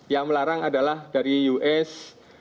yang melarang adalah dari us